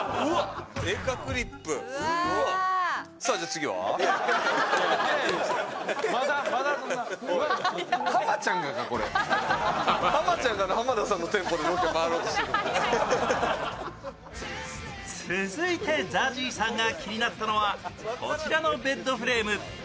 次のベッド、いきましょうか続いて、ＺＡＺＹさんが気になったのは、こちらのベッドフレーム。